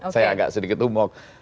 saya agak sedikit umur